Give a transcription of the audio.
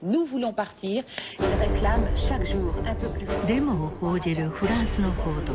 デモを報じるフランスの報道。